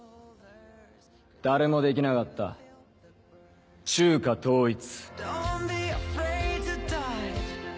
誰もできなかった中華統一。